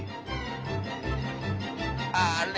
あれ？